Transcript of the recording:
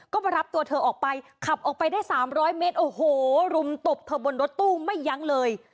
ก็มารับตัวเธอออกไปขับออกไปได้๓๐๐เมตรโอ้โหรุมตบเธอบนรถตู้ไม่ยั้งเลย